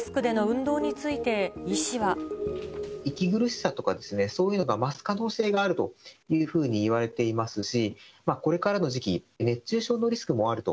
息苦しさとか、そういうのが増す可能性があるというふうにいわれていますし、これからの時期、熱中症のリスクもあると。